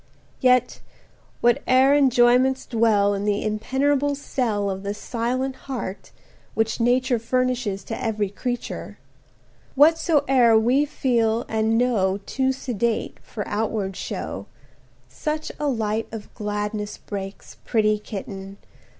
Yet, whate'er enjoyments dwell In the impenetrable cell Of the silent heart which Nature Furnishes to every creature; Whatsoe'er we feel and know Too sedate for outward show, 100 Such a light of gladness breaks, Pretty Kitten!